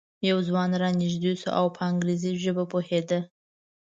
یو ځوان را نږدې شو او په انګریزي ژبه پوهېده.